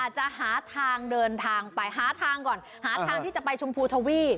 จะหาทางเดินทางไปหาทางก่อนหาทางที่จะไปชมพูทวี